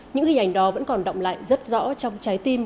những hình ảnh đó vẫn còn động lại rất rõ trong trái tim